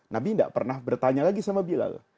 nabi tidak pernah bertanya lagi sama bilal